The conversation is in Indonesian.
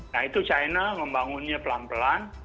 nah itu china membangunnya pelan pelan